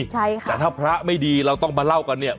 ใช่ค่ะแต่ถ้าพระไม่ดีเราต้องมาเล่ากันเนี่ย